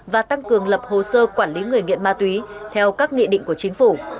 và tăng cường lập hồ sơ quản lý người nghiện ma túy theo các nghị định của chính phủ